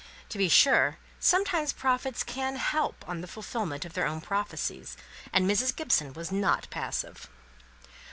To be sure, sometimes prophets can help on the fulfilment of their own prophecies; and Mrs. Gibson was not passive.